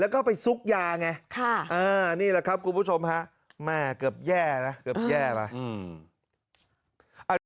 แล้วก็ไปซุกยาไงนี่แหละครับคุณผู้ชมฮะแม่เกือบแย่นะเกือบแย่ไป